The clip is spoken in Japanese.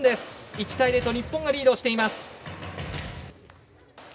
１対０と日本がリードしています。